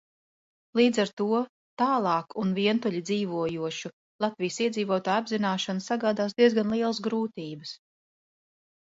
Līdz ar to tālāk un vientuļi dzīvojošu Latvijas iedzīvotāju apzināšana sagādās diezgan lielas grūtības.